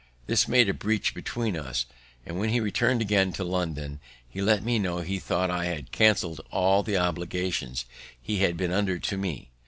This made a breach between us; and, when he returned again to London, he let me know he thought I had cancell'd all the obligations he had been under to me.